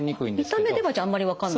見た目ではじゃああんまり分かんない？